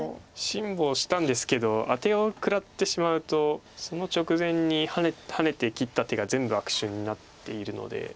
辛抱したんですけどアテを食らってしまうとその直前にハネて切った手が全部悪手になっているので。